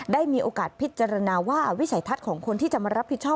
ได้มีโอกาสพิจารณาว่าวิสัยทัศน์ของคนที่จะมารับผิดชอบ